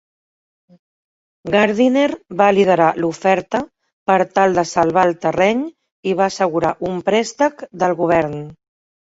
Gardiner va liderar l'oferta per tal de salvar el terreny i va assegurar un prèstec del govern.